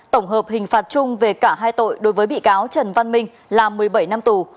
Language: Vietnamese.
tổng hợp hình phạt chung về cả hai tội đối với bị cáo trần văn minh là một mươi bảy năm tù